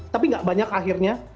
tapi nggak banyak akhirnya